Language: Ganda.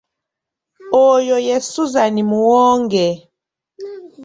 Oyo ye Suzan Muwonge.